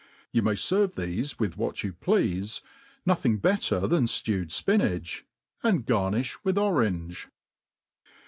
You may ferve thefe with what you pleafe, nothing better than ftewed fpi nach, and garnifh with orange.